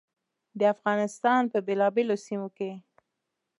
د افغانستان په بېلابېلو سیمو کې.